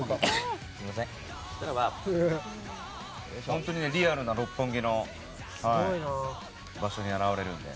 本当にリアルな六本木の場所に現れるので。